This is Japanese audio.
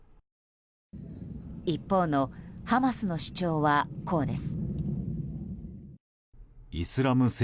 一方のハマスの主張はこうです。